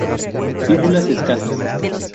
Fíbulas escasas.